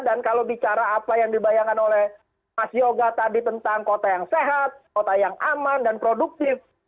dan kalau bicara apa yang dibayangkan oleh mas yoga tadi tentang kota yang sehat kota yang aman dan produktif